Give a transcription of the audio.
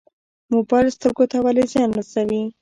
موبایل سترګو ته ولې زیان رسوي؟